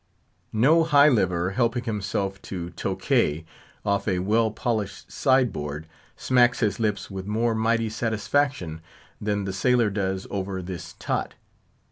No high liver helping himself to Tokay off a well polished sideboard, smacks his lips with more mighty satisfaction than the sailor does over this tot.